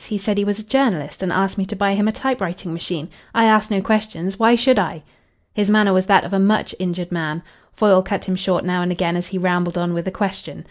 He said he was a journalist and asked me to buy him a typewriting machine. I asked no questions. Why should I?" His manner was that of a much injured man. Foyle cut him short now and again as he rambled on with a question.